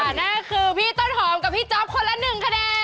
หน้าคือพี่ต้นหอมกับพี่จ๊อปคนละ๑คะแนน